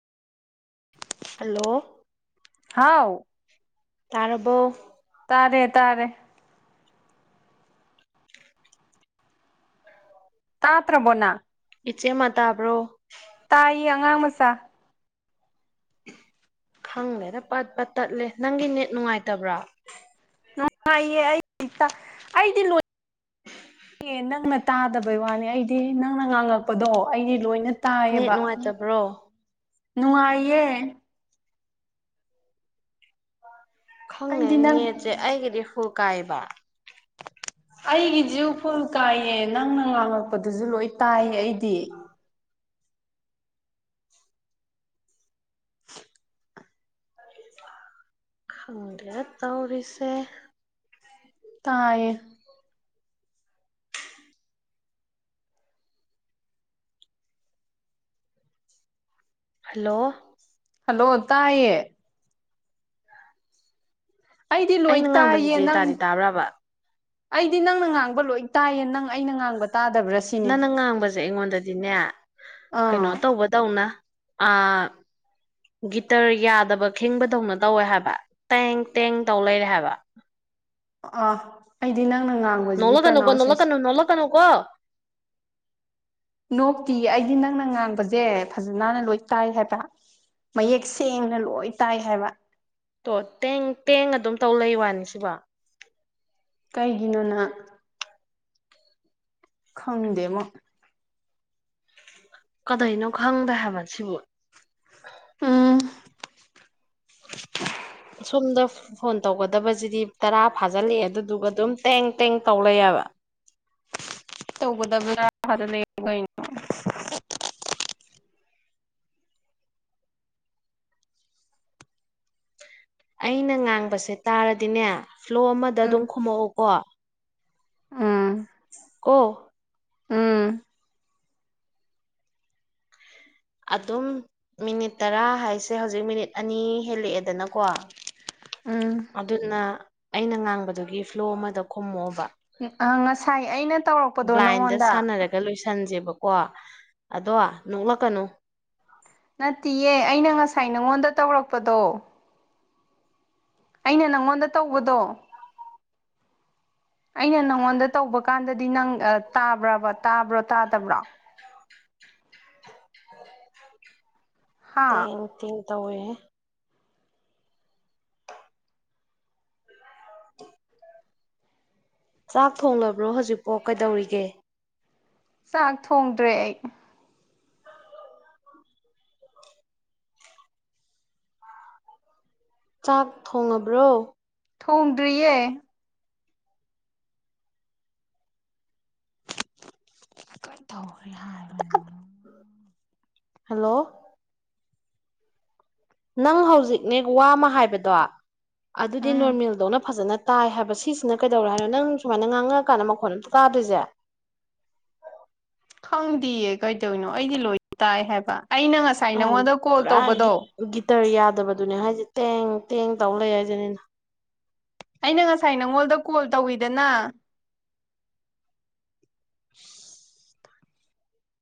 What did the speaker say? Hello ꯍꯥꯎ ꯇꯥꯔꯕꯣ ꯇꯥꯔꯦ ꯇꯥꯔꯦ ꯇꯥꯇ꯭ꯔꯕꯣ ꯅꯪ ꯏꯆꯦꯃ ꯇꯥꯕ꯭ꯔꯣ ꯇꯥꯏꯌꯦ ꯑꯉꯥꯡ ꯃꯆꯥ꯫ ꯈꯪꯗꯦꯗ ꯄꯠ ꯄꯠ ꯇꯠꯂꯦ ꯅꯪꯒꯤ ꯅꯦꯠ ꯅꯨꯡꯉꯥꯏꯇꯕ꯭ꯔꯥ ꯅꯨꯡꯉꯥꯏꯌꯦ ꯑꯩ ꯇꯥ ꯑꯩꯗꯤ ꯂꯣꯏ ꯏ ꯅꯪꯅ ꯇꯥꯗꯕꯩ ꯋꯥꯅꯤ ꯑꯩꯗꯤ ꯅꯪꯅ ꯉꯥꯡꯉꯛꯄꯗꯣ ꯑꯩꯗꯤ ꯂꯣꯏꯅ ꯇꯥꯏꯌꯦꯕ ꯅꯦꯠ ꯅꯨꯡꯉꯥꯏꯇꯕ꯭ꯔꯣ ꯅꯨꯡꯉꯥꯏꯌꯦ ꯈꯪꯗꯦ ꯑꯩꯗꯤ ꯅꯪ ꯅꯦꯠꯁꯦ ꯑꯩꯒꯤꯗꯤ ꯐꯨꯜ ꯀꯥꯏꯌꯦꯕ ꯑꯩꯒꯤꯁꯤ ꯐꯨꯜ ꯀꯥꯏꯌꯦ ꯅꯪꯅ ꯉꯥꯡꯉꯛꯄꯗꯨꯁꯨ ꯂꯣꯏ ꯇꯥꯏꯌꯦ ꯑꯩꯗꯤ ꯈꯪꯗ꯭ꯔꯦꯗ ꯇꯧꯔꯤꯁꯦ ꯇꯥꯌꯦ ꯍꯜꯂꯣ ꯍꯜꯂꯣ ꯇꯥꯏꯌꯦ ꯑꯩꯗꯤ ꯂꯣꯏ ꯑꯩꯅ ꯇꯥꯏꯌꯦ ꯉꯥꯡꯕꯁꯤꯗꯤ ꯅꯪ ꯇꯥꯗꯤ ꯇꯥꯕ꯭ꯔꯕ ꯑꯩꯗꯤ ꯅꯪꯅ ꯉꯥꯡꯕ ꯂꯣꯏ ꯇꯥꯏꯌꯦ ꯅꯪ ꯑꯩꯅ ꯉꯥꯡꯕ ꯇꯥꯗꯕ꯭ꯔꯁꯤ ꯅꯪꯅ ꯉꯥꯡꯕꯁꯦ ꯑꯩꯉꯣꯟꯗꯗꯤꯅꯦ ꯀꯩꯅꯣ ꯑꯥ ꯇꯧꯕꯇꯧꯅ ꯑꯥ ꯒꯤꯇꯔ ꯌꯥꯗꯕ ꯈꯤꯡꯕꯗꯧꯅ ꯇꯧꯋꯦ ꯍꯥꯏꯕ ꯇꯦꯡ ꯇꯦꯡ ꯇꯧ ꯂꯩꯔꯦ ꯍꯥꯏꯕ ꯑꯣ ꯑꯩꯗꯤ ꯅꯪꯅ ꯉꯥꯡ ꯅꯣꯛꯂꯛꯀꯅꯨꯀꯣ ꯅꯣꯛꯂꯛꯀꯅꯨ ꯅꯣꯛꯂꯛꯀꯅꯨ ꯀꯣ ꯅꯣꯛꯇꯤꯌꯦ ꯑꯩꯗꯤ ꯅꯪꯅ ꯉꯥꯡꯕꯁꯦ ꯐꯖꯅꯥꯅ ꯂꯣꯏ ꯇꯥꯏ ꯍꯥꯏꯕ ꯃꯌꯦꯛ ꯁꯦꯡꯅ ꯂꯣꯏ ꯇꯥꯏ ꯍꯥꯏꯕ ꯇꯣ ꯇꯦꯡ ꯇꯦꯡ ꯑꯗꯨꯝ ꯇꯧ ꯂꯩ ꯋꯥꯅꯤ ꯁꯤꯕꯣ ꯀꯩꯒꯤꯅꯣꯅ ꯈꯪꯗꯦꯕꯣ ꯀꯗꯩꯅꯣ ꯈꯪꯗꯦ ꯍꯥꯏꯕ ꯁꯤꯕꯨ ꯎꯝ ꯁꯣꯝꯗ ꯐꯣꯟ ꯇꯧꯒꯗꯕꯁꯤꯗꯤ ꯇꯔꯥ ꯐꯥꯖꯤꯜꯂꯛꯑꯦ ꯑꯗꯨꯗꯨꯒ ꯑꯗꯨꯝ ꯇꯦꯡ ꯇꯦꯡ ꯇꯧ ꯂꯩꯑꯕ ꯇꯧꯒꯗꯕ [inaudible] ꯀꯩꯅꯣ ꯑꯩꯅ ꯉꯥꯡꯕꯁꯦ ꯇꯥꯔꯗꯤꯅꯦ ꯐ꯭ꯂꯣ ꯑꯃꯗ ꯑꯗꯨꯝ ꯈꯨꯝꯃꯛꯎꯀꯣ ꯑꯥ ꯑꯣ ꯎꯝ ꯑꯗꯨꯝ ꯃꯤꯅꯤꯠ ꯇꯔꯥ ꯍꯥꯏꯁꯦ ꯍꯧꯖꯤꯛ ꯃꯤꯅꯤꯠ ꯑꯅꯤ ꯍꯦꯜꯂꯛꯑꯦꯗꯅꯀꯣ ꯎꯝ ꯑꯗꯨꯅ ꯑꯩꯅ ꯉꯥꯡꯕꯗꯨꯒꯤ ꯐ꯭ꯂꯣ ꯑꯃꯗ ꯈꯨꯝꯃꯛꯑꯣꯕ ꯑ ꯉꯁꯥꯏ ꯑꯩꯅ ꯇꯧꯔꯛꯄꯗꯣ ꯕ꯭ꯂꯥꯏꯟꯗ ꯅꯪꯉꯣꯟꯗ ꯁꯥꯟꯅꯔꯒ ꯂꯣꯏꯁꯟꯁꯦꯕ ꯀꯣ ꯑꯗꯣ ꯅꯣꯛꯂꯛꯀꯅꯨ ꯅꯠꯇꯤꯌꯦ ꯑꯩꯅ ꯉꯁꯥꯏ ꯅꯉꯣꯟꯗ ꯇꯧꯔꯛꯄꯗꯣ ꯑꯩꯅ ꯅꯪꯉꯣꯟꯗ ꯇꯧꯕꯗꯣ ꯑꯩꯅ ꯅꯪꯉꯣꯟꯗ ꯇꯧꯕ ꯀꯥꯟꯗꯗꯤ ꯅꯪ ꯇꯥꯕ꯭ꯔꯕ ꯇꯥꯕ꯭ꯔꯣ ꯇꯥꯗꯕ꯭ꯔꯣ ꯍꯥ ꯇꯦꯡ ꯇꯦꯡ ꯇꯧꯋꯦꯍꯦ ꯆꯥꯛ ꯊꯣꯡꯂꯕ꯭ꯔꯣ ꯍꯧꯖꯤꯛꯐꯣ ꯀꯩꯗꯧꯔꯤꯒꯦ ꯆꯥꯛ ꯊꯣꯡꯗ꯭ꯔꯦ ꯑꯩ ꯆꯥꯛ ꯊꯣꯡꯉꯕ꯭ꯔꯣ ꯊꯣꯡꯗ꯭ꯔꯤꯌꯦ ꯀꯇꯧꯔꯤ ꯍꯥꯏ ꯍꯜꯂꯣ ꯅꯪ ꯍꯧꯖꯤꯛꯅꯦ ꯋꯥꯃ ꯍꯥꯏꯕꯗꯣ ꯑꯗꯨꯗꯤ ꯎꯝ ꯅꯣꯔꯃꯦꯜꯗꯧꯅ ꯐꯖꯅ ꯇꯥꯏ ꯍꯥꯏꯕ ꯁꯤꯁꯤꯅ ꯀꯩꯗꯧꯔꯦ ꯍꯥꯏꯅꯣ ꯅꯪ ꯁꯨꯃꯥꯏꯅ ꯉꯥꯡꯉꯛ ꯑꯀꯥꯟꯗ ꯃꯈꯣꯟ ꯑꯝꯇ ꯇꯥꯗ꯭ꯔꯤꯁꯦ ꯈꯪꯗꯤꯌꯦ ꯀꯩꯇꯧꯅꯣ ꯑꯩꯗꯤ ꯂꯣꯏ ꯇꯥꯏ ꯍꯥꯏꯕ ꯑꯩꯅ ꯉꯁꯥꯏ ꯅꯪꯉꯣꯟꯗ ꯀꯣꯜ ꯄꯨꯔꯥ ꯇꯧꯕꯗꯣ ꯒꯤꯇꯔ ꯌꯥꯗꯕꯗꯨꯅꯦ ꯍꯥꯏꯁꯦ ꯇꯦꯡ ꯇꯦꯡ ꯇꯧ ꯂꯩ ꯍꯥꯏꯁꯤ ꯑꯩꯅ ꯉꯁꯥꯏ ꯅꯪꯉꯣꯟꯜꯗ ꯀꯣꯜ ꯇꯧꯋꯤꯗꯅ